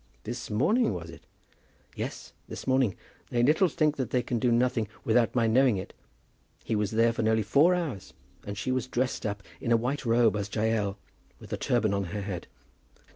"This morning was it?" "Yes; this morning. They little think that they can do nothing without my knowing it. He was there for nearly four hours, and she was dressed up in a white robe as Jael, with a turban on her head.